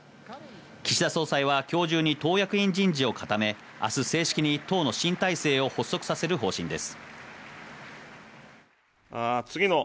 岸田総裁は今日中に党役員人事を固め、明日、正式に党の新体制を発足させる方針です。